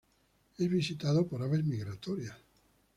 Es visitado por aves migratorias.